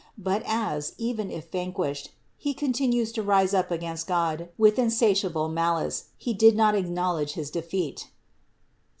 But as, even if vanquished, he continues to rise up against God with insatiate malice, he did not acknowledge his defeat (Ps.